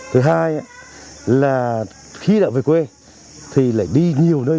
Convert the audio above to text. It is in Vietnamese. thứ hai là khi đã về quê thì lại đi nhiều nơi